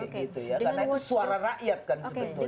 karena itu suara rakyat kan sebetulnya